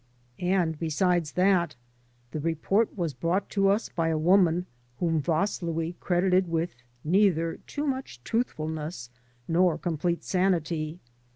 And besides that, the report was brought to us by a woman whom Vaslui credited with neither too much truthful ness nor complete sanity.